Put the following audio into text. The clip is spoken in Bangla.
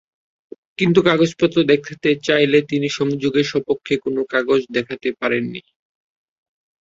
কিন্তু কাগজপত্র দেখতে চাইলে তিনি সংযোগের সপক্ষে কোনো কাগজ দেখাতে পারেননি।